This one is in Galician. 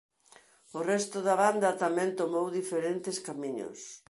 O resto da banda tamén tomou diferentes camiños.